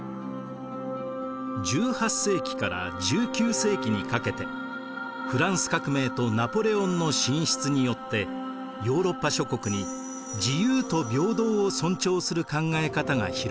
１８世紀から１９世紀にかけてフランス革命とナポレオンの進出によってヨーロッパ諸国に自由と平等を尊重する考え方が広まりました。